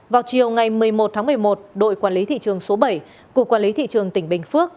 vào chiều ngày một mươi một tháng một mươi một đội quản lý thị trường số bảy cục quản lý thị trường tỉnh bình phước